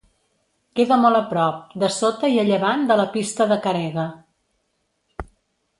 Queda molt a prop, dessota i a llevant de la Pista de Caregue.